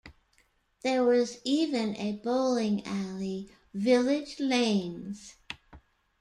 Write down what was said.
There was even a bowling alley, Village Lanes.